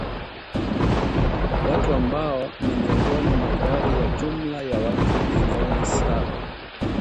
Watu ambao ni miongoni mwa idadi ya jumla ya watu Bilioni saba